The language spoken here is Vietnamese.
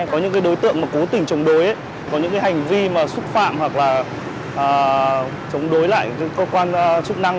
có những đối tượng mà cố tình chống đối có những hành vi mà xúc phạm hoặc là chống đối lại cơ quan chức năng